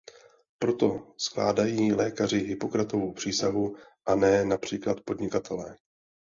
Proto skládají lékaři Hippokratovu přísahu, a ne například podnikatelé.